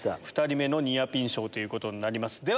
２人目のニアピン賞ということになります。